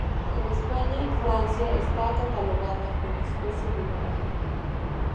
En España y en Francia está catalogada como especie vulnerable.